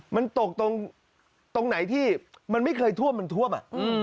มันตกตรงไหนที่มันไม่เคยท่วมมันท่วม